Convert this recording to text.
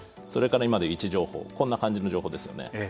それから今でいう位置情報こんな感じの情報ですよね。